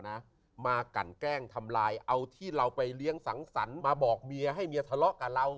ทำลายเอาที่เราไปเลี้ยงสังสรรค์มาบอกเมียให้เมียทะเลาะกับเรา